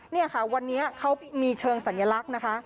นี่ค่ะวันนี้เขามีเชิงสัญลักษณ์นะคะ